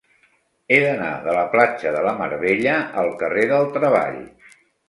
He d'anar de la platja de la Mar Bella al carrer del Treball.